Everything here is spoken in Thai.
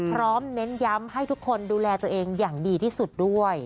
เน้นย้ำให้ทุกคนดูแลตัวเองอย่างดีที่สุดด้วย